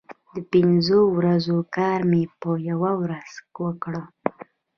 د پنځو ورځو کار مې په یوه ورځ وکړ.